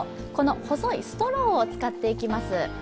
細いストローを使っていきます。